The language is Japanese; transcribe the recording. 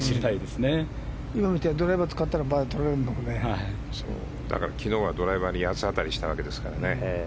今みたいにドライバーを使ったら昨日はドライバーに八つ当たりしたわけですからね。